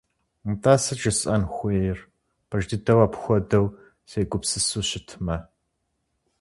НтӀэ, сыт жысӀэн хуейр, пэж дыдэу апхуэдэу сегупсысу щытмэ?